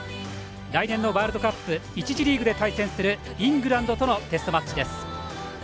来年のワールドカップ１次リーグで対戦するイングランドとのテストマッチです。